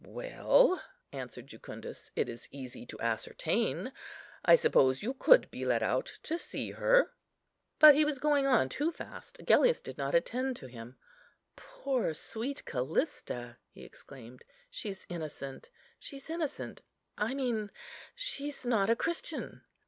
"Well," answered Jucundus, "it is easy to ascertain. I suppose you could be let out to see her." But he was going on too fast; Agellius did not attend to him. "Poor, sweet Callista," he exclaimed, "she's innocent, she's innocent; I mean she's not a Christian.